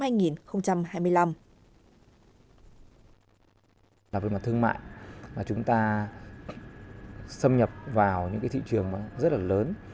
với mặt thương mại chúng ta xâm nhập vào những thị trường rất lớn